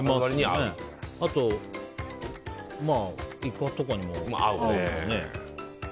あと、イカとかにも合うよね。